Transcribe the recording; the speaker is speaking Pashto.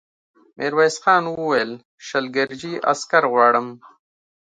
ميرويس خان وويل: شل ګرجي عسکر غواړم.